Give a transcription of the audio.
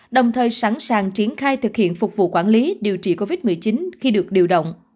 đồng thời sẵn sàng triển khai thực hiện phục vụ quản lý điều trị covid một mươi chín khi được điều động